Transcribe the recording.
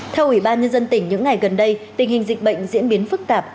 theo ủy ban nhân dân tỉnh những ngày gần đây tình hình dịch bệnh diễn biến phức tạp